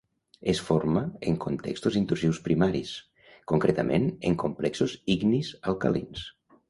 Es forma en contextos intrusius primaris, concretament en complexos ignis alcalins.